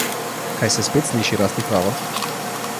Kaj se spet sliši rasti travo?